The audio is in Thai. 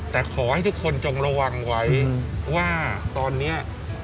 แต่ขอให้ทุกคนจงระวังไว้ว่าตอนนี้